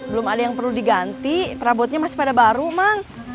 belum ada yang perlu diganti perabotnya masih pada baru mang